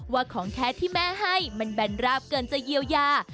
ของแท้ที่แม่ให้มันแบนราบเกินจะเยียวยา